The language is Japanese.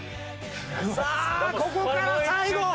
さあここから最後。